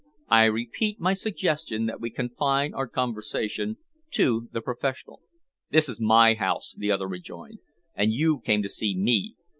I repeat my suggestion that we confine our conversation to the professional." "This is my house," the other rejoined, "and you came to see me.